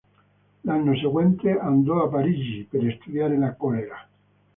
L'anno seguente, andò a Parigi per studiare la colera.